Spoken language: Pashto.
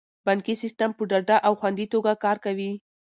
بانکي سیستم په ډاډه او خوندي توګه کار کوي.